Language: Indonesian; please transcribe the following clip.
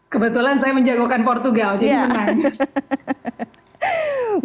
kebetulan saya menjagokan portugal jadi menang